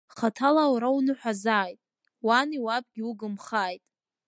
Хаҭала уара уныҳәазааит, уани уаби угымхааит!